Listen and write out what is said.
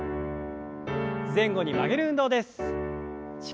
前後に曲げる運動です。